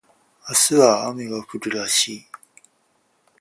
明日は雨が降るらしい